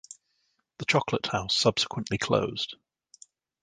The Chocolate House subsequently closed.